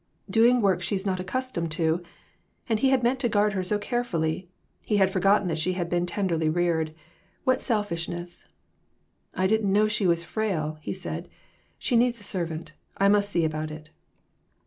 "Doing work she was not accustomed to !" And he had meant to guard her so carefully. He had forgotten that she had been tenderly reared. What selfishness !" I didn't know she was frail," he said. " She needs a servant; I must see about it."